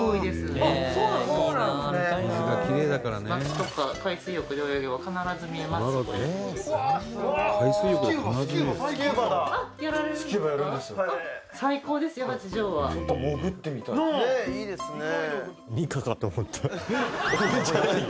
「ねえいいですね」